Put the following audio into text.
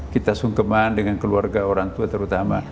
kita sungkeman dengan keluarga orang tua terutama